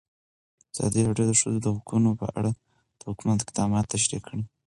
ازادي راډیو د د ښځو حقونه په اړه د حکومت اقدامات تشریح کړي.